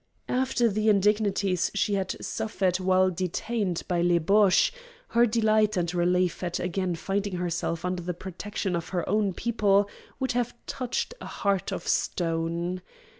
After the indignities she had suffered while "detained" by les Boches, her delight and relief at again finding herself under the protection of her own people would have touched a heart of stone.